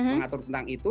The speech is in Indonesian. mengatur tentang itu